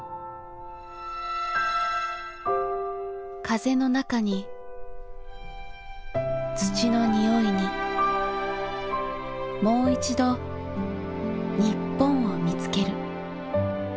風の中に土の匂いにもういちど日本を見つける。